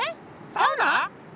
サウナ！？